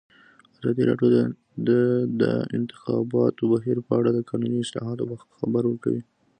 ازادي راډیو د د انتخاباتو بهیر په اړه د قانوني اصلاحاتو خبر ورکړی.